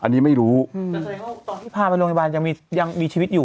อันนี้ไม่รู้ตอนที่พาไปโรงพยาบาลยังมียังมีชีวิตอยู่